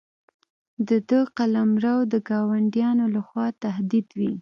د ده قلمرو د ګاونډیو له خوا تهدید وي.